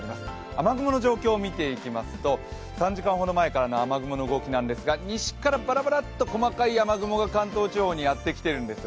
雨雲の状況を見てみますと、３時間ほど前からですが、西からばらばらっと細かい雨雲が関東地方にやってきているんです。